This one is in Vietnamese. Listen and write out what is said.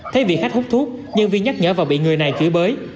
thấy vị khách hút thuốc nhân viên nhắc nhở và bị người này chửi bới